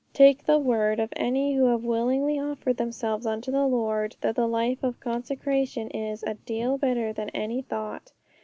Take the word of any who have willingly offered themselves unto the Lord, that the life of consecration is 'a deal better than they thought!'